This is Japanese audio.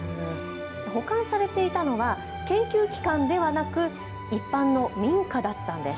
保管されていたのは研究機関ではなく一般の民家だったんです。